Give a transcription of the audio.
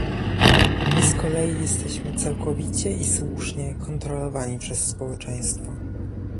My z kolei jesteśmy całkowicie i słusznie kontrolowani przez społeczeństwo